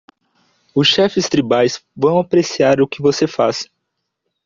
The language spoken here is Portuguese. Os chefes tribais vão apreciar o que você faz.